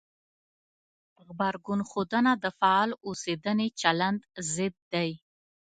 غبرګون ښودنه د فعال اوسېدنې چلند ضد دی.